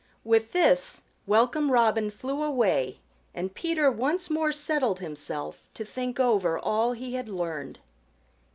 With this Welcome Robin flew away and Peter once more settled himself to think over all he had learned.